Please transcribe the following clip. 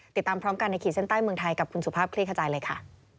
ติดตามพร้อมกันในขีดเส้นใต้เมืองไทยกับคุณสุภาพคลี่ขจายเลยค่ะ